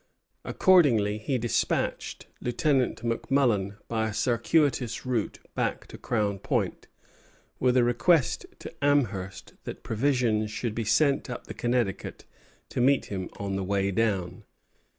Accordingly he despatched Lieutenant McMullen by a circuitous route back to Crown Point, with a request to Amherst that provisions should be sent up the Connecticut to meet him on the way down.